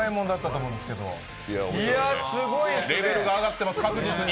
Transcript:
レベルが上がってます、確実に。